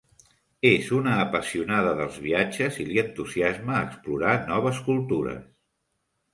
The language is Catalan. És una apassionada dels viatges i li entusiasma explorar noves cultures.